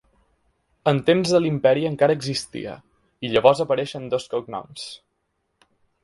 En temps de l'imperi encara existia i llavors apareixen dos cognoms.